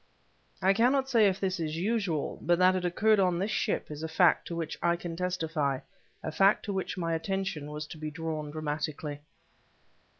I cannot say if this is usual, but that it occurred on this ship is a fact to which I can testify a fact to which my attention was to be drawn dramatically.